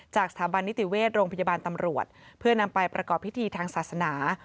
สถาบันนิติเวชโรงพยาบาลตำรวจเพื่อนำไปประกอบพิธีทางศาสนา